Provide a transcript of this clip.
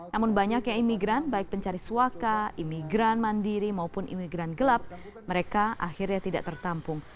namun banyaknya imigran baik pencari suaka imigran mandiri maupun imigran gelap mereka akhirnya tidak tertampung